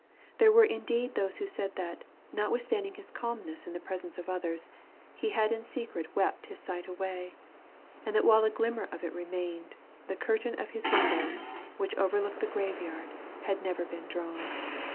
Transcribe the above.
There were indeed those who said that, notwithstanding his calmness in the presence of others, he had in secret wept his sight away; and that while a glimmer of it remained, the curtain of his window, which overlooked the grave yard, had never been drawn.